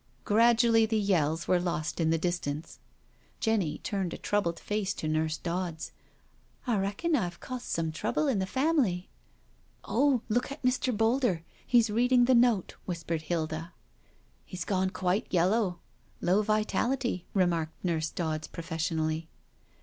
Gradually the yells were lost in the distance. Jenny turned a troubled face to Nurse Dodds. " I reckon I've caused some trouble in the family." " Oh, look at Mr. Boulder— he's reading the note," whispered Hilda. " He's gone quite yellow— low vitality," remarked Nurse Dodds professionally.